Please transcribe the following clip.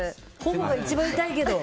頬が一番痛いけど。